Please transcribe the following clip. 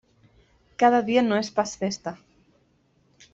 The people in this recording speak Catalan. Cada dia no és pas festa.